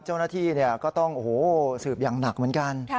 เจ้าหน้าที่เนี่ยก็ต้องโอ้โหสืบอย่างหนักเหมือนกัน